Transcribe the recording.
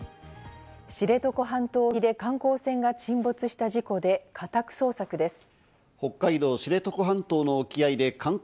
知床半島沖で観光船が沈没した事故で家宅捜索です。